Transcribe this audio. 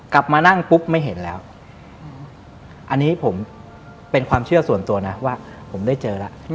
กลับมานั่งปุ๊บไม่เห็นแล้วอันนี้ผมเป็นความเชื่อส่วนตัวนะว่าผมได้เจอแล้ว